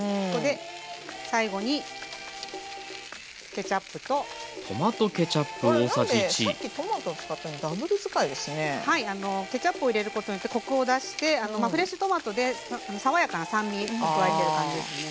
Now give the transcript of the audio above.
ケチャップを入れることによってコクを出してフレッシュトマトで爽やかな酸味を加えてる感じですね。